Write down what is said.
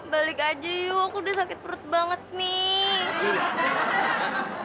balik aja yuk aku udah sakit perut banget nih